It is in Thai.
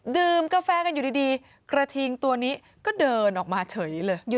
กาแฟกันอยู่ดีกระทิงตัวนี้ก็เดินออกมาเฉยเลย